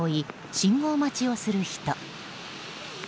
信号待ちをする人。